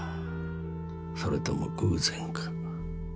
それとも偶然か。